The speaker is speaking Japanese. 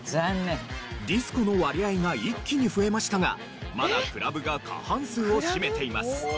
ディスコの割合が一気に増えましたがまだクラブが過半数を占めています。